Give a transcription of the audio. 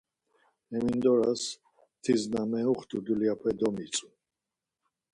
Hemindoras tis na meuxtu dulyape domitzu.